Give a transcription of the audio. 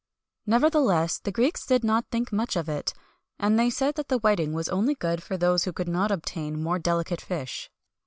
Nevertheless, the Greeks did not think much of it, and they said that the whiting was only good for those who could not obtain more delicate fish.